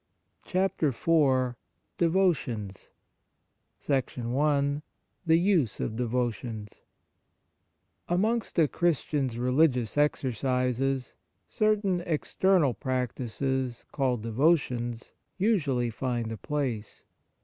CHAPTER IV DEVOTIONS I The Use of Devotions A MONGST a Christian s religious exercises certain external prac tices, called devotions, usually find a place.